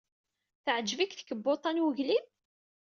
Teɛjeb-ik tkebbuḍt-a n weglim?